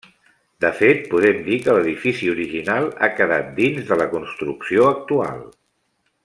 De fet podem dir que l'edifici original ha quedat dins de la construcció actual.